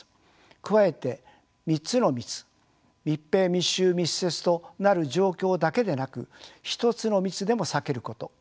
加えて３つの密密閉・密集・密接となる状況だけでなく１つの密でも避けること。